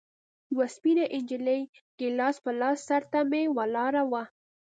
يوه سپينه نجلۍ ګيلاس په لاس سر ته مې ولاړه وه.